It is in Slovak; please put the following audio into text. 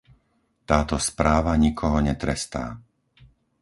Táto správa nikoho netrestá.